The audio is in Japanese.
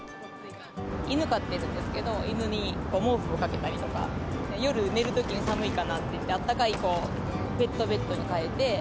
犬飼ってるんですけど、犬に毛布をかけたりとか、夜寝るときに寒いかなっていって、あったかいペットベッドに変えて。